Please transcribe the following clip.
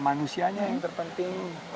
manusianya yang terpenting